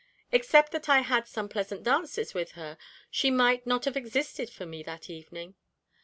Except that I had some pleasant dances with her, she might not have existed for me that evening.